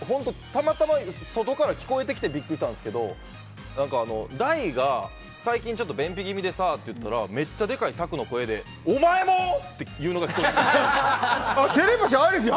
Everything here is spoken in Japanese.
たまたま外から聞こえてきてビックリしたんですけど大が最近、便秘気味でさって言ったらめっちゃでかい拓の声でお前も？って聞こえた。